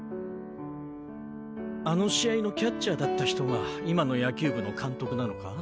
あの試合のキャッチャーだった人が今の野球部の監督なのか？